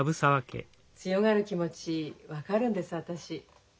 強がる気持ち分かるんです私。